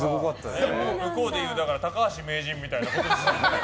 向こうでいう高橋名人みたいなことでしょ。